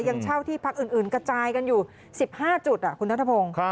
ยังเช่าที่พักอื่นกระจายกันอยู่๑๕จุดคุณนัทพงศ์